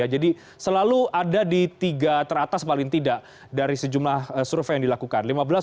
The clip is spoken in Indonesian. jadi selalu ada di tiga teratas paling tidak dari sejumlah survei yang dilakukan